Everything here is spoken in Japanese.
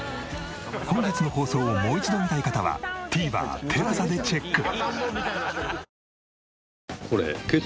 本日の放送をもう一度見たい方はＴＶｅｒＴＥＬＡＳＡでチェック。